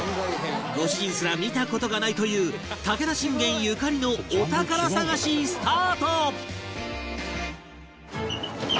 ご主人すら見た事がないという武田信玄ゆかりのお宝探しスタート！